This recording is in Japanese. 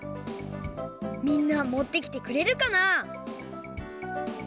みんな持ってきてくれるかな？